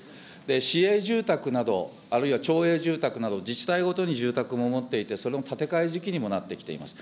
市営住宅など、あるいは町営住宅など、自治体ごとに住宅を持っていて、その建て替え時期にもなってきています。